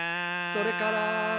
「それから」